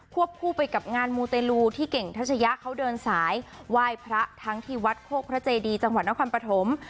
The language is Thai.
คู่ไปกับงานมูเตลูที่เก่งทัชยะเขาเดินสายไหว้พระทั้งที่วัดโคกพระเจดีจังหวัดนครปฐม